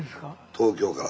東京から。